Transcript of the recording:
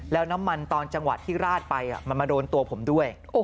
แล้วน้ำมันตอนจังหวะที่ราดไปมันมาโดนตัวผมด้วย